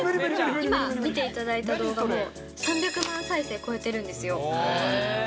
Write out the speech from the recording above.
今見ていただいた動画も、３００万再生超えてるんですよ。